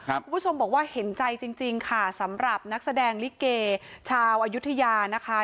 คุณผู้ชมบอกว่าเห็นใจจริงค่ะสำหรับนักแสดงลิเกชาวอายุทยานะคะ